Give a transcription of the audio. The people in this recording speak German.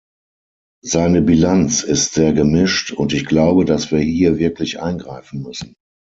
Seine Bilanz ist sehr gemischt, und ich glaube, dass wir hier wirklich eingreifen müssen.